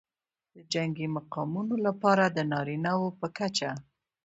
د جنګي مقامونو لپاره د نارینه وو په کچه